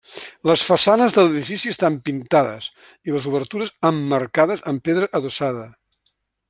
Les façanes de l'edifici estan pintades i les obertures emmarcades amb pedra adossada.